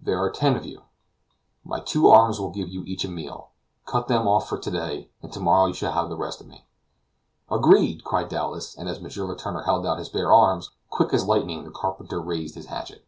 "There are ten of you," he went on. "My two arms will give you each a meal; cut them off for to day, and to morrow you shall have the rest of me." "Agreed!" cried Dowlas; and as M. Letourneur held out his bare arms, quick as lightning the carpenter raised his hatchet.